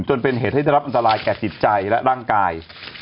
จนเป็นเหตุให้ได้รับอันตรายแก่จิตใจและร่างกาย